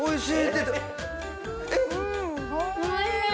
おいしい！